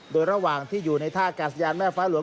โดยระหว่างที่อยู่ในท่ากาศยานแม่ฟ้าหลวง